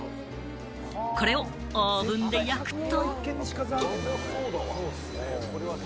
これをオーブンで焼くと。